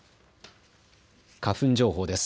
花粉情報です。